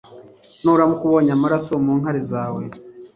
Nuramuka ubonye amaraso mu nkari zawe,